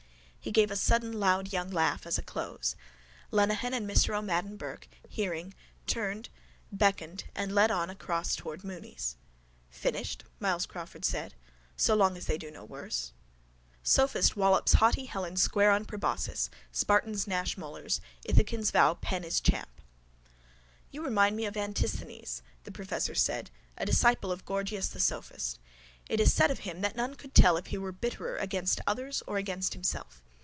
He gave a sudden loud young laugh as a close. Lenehan and Mr O'Madden Burke, hearing, turned, beckoned and led on across towards Mooney's. —Finished? Myles Crawford said. So long as they do no worse. SOPHIST WALLOPS HAUGHTY HELEN SQUARE ON PROBOSCIS. SPARTANS GNASH MOLARS. ITHACANS VOW PEN IS CHAMP. —You remind me of Antisthenes, the professor said, a disciple of Gorgias, the sophist. It is said of him that none could tell if he were bitterer against others or against himself.